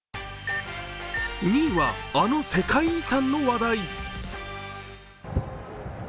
２位はあの世界遺産の話題。